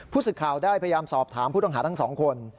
ศึกข่าวได้พยายามสอบถามผู้ต้องหาทั้งสองคน